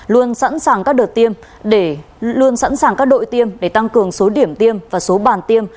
luôn sẵn sàng các đợt tiêm để luôn sẵn sàng các đội tiêm để tăng cường số điểm tiêm và số bàn tiêm